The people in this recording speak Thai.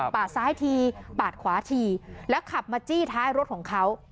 ซ้ายทีปาดขวาทีแล้วขับมาจี้ท้ายรถของเขา